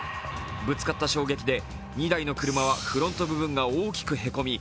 ぶつかった衝撃で２台の車はフロント部分が大きくへこみ